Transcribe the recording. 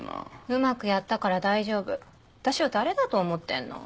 うまくやったから大丈夫私を誰だと思ってんの？